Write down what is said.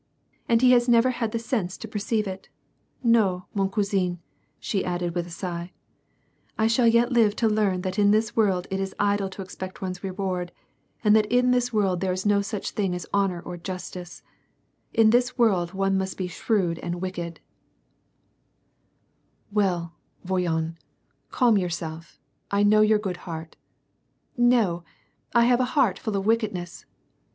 "And he has never had the sense to perceive it. No, WW cotisirty^ she added with a sigh, " I shall yet live to learn that in this world it is idle to expect one's reward; that in this ^'orld there is no such thing as honor or justice ; in this world one must be shrewd and wicked," g8 WAR AND PEACE. "Well, voyons^ calm yourself ; I know your good heart" " No ; I have a heart full of wickedness."